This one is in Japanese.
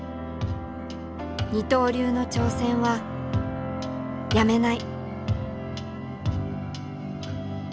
二刀流の挑戦はやめない。